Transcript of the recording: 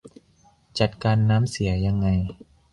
จัดการน้ำเสียยังไง